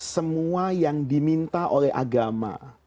semua yang diminta oleh agama